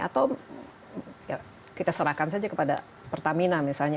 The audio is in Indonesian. atau kita serahkan saja kepada pertamina misalnya